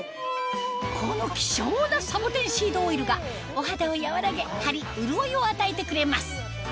この希少なサボテンシードオイルがお肌を和らげハリ潤いを与えてくれます